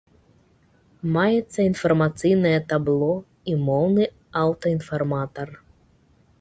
Маецца інфармацыйнае табло і моўны аўтаінфарматар.